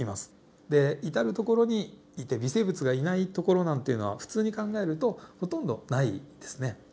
で至る所にいて微生物がいない所なんていうのは普通に考えるとほとんどないですね。